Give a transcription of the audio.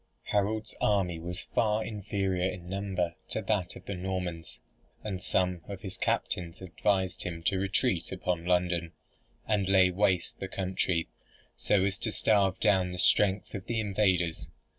Harold's army was far inferior in number to that of the Normans, and some of his captains advised him to retreat upon London, and lay waste the country, so as to starve down the strength, of the invaders.